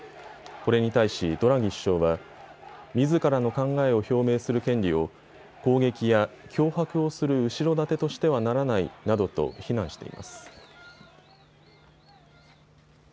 これに対しドラギ首相はみずからの考えを表明する権利を攻撃や脅迫をする後ろ盾としてはならないなどと非難しています。